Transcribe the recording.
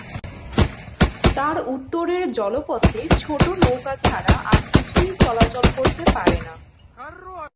তার উত্তরের জলপথে ছোটো নৌকা ছাড়া আর কিছুই চলাচল করতে পারে না।